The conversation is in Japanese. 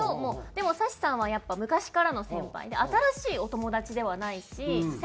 でもさっしーさんはやっぱ昔からの先輩で新しいお友達ではないし先輩なんで。